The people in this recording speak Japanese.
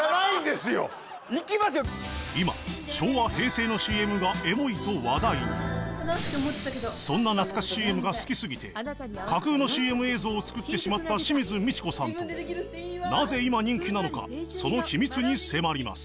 今昭和・平成のＣＭがエモいと話題にそんな懐かしＣＭが好きすぎて架空のＣＭ映像を作ってしまった清水ミチコさんとなぜ今人気なのかその秘密に迫ります